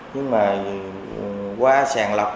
nhưng mà qua sàng lọc